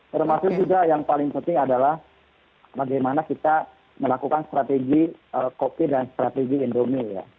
termasuk juga yang paling penting adalah bagaimana kita melakukan strategi kopi dan strategi indomie ya